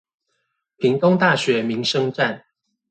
屏東大學民生站